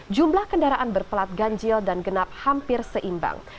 jumlah kendaraan berpelat ganjil dan genap hampir seimbang